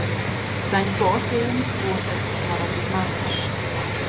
Sein Vorgehen wurde paradigmatisch.